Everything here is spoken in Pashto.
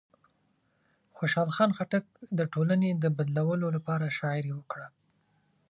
خوشحال خان خټک د ټولنې د بدلولو لپاره شاعري وکړه.